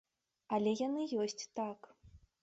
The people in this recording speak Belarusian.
Але яны ёсць, так.